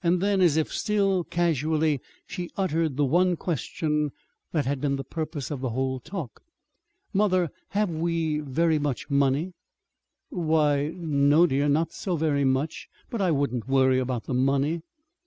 Then, as if still casually, she uttered the one question that had been the purpose of the whole talk. "Mother, have we very much money?" "Why, no, dear, not so very much. But I wouldn't worry about the money."